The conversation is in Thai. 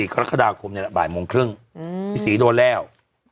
๒๔กรกฎาคมนี่แหละบ่ายโมงครึ่งพี่ศรีโดนแล้ว